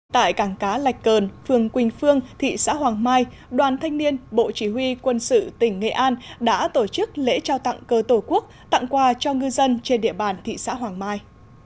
tại cảng cá lạch cờn phường quỳnh phương thị xã hoàng mai đoàn thanh niên bộ chỉ huy quân sự tỉnh nghệ an đã tổ chức lễ trao tặng cơ tổ quốc tặng quà cho ngư dân trên địa bàn thị xã hoàng mai